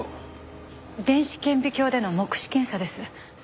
電子顕微鏡での目視検査です。